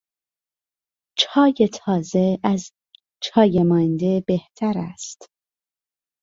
چای تازه از چای مانده بهتر است.